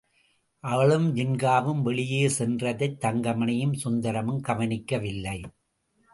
அவளும் ஜின்காவும் வெளியே சென்றதைத் தங்கமணியும், சுந்தரமும் கவனிக்கவில்லை.